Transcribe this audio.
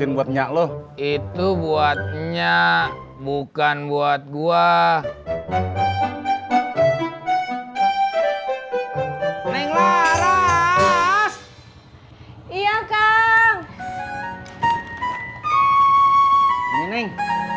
itu buatnya lo itu buatnya bukan buat gua neng laras iya kang